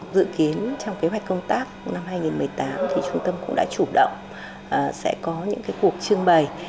dự kiến trong kế hoạch công tác năm hai nghìn một mươi tám trung tâm cũng đã chủ động sẽ có những cuộc trưng bày